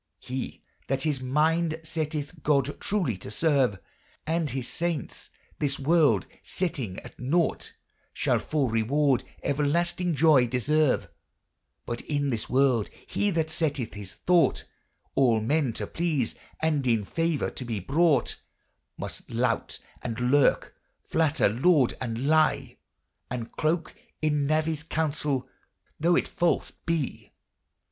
He that his mynde settyth god truly to serve And his sayntes : this worlde settynge at nought Shall for rewarde everlastynge joy deserve, But in this worlde he that settyth his thought All men to please, and in favour to be brought, Must lout and lurke, flater, laude, and lye: And cloke in knavys counseyll, though it fals be.